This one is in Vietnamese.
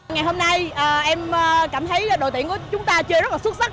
ngày hôm nay em cảm thấy đội tuyển của chúng ta chơi rất là xuất sắc